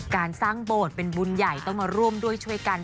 การสร้างโบสถ์เป็นบุญใหญ่ต้องมาร่วมด้วยช่วยกัน